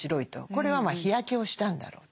これはまあ日焼けをしたんだろうと。